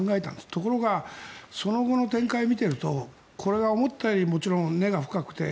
ところがその後の展開を見ているとこれが思ったよりもちろん根が深くて。